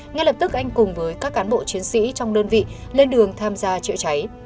ngay lập tức anh cùng với các cán bộ chiến sĩ trong đơn vị lên đường tham gia chữa cháy